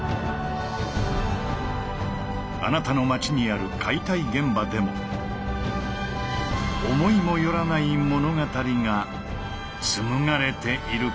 あなたの街にある解体現場でも思いもよらない物語が紡がれているかもしれない。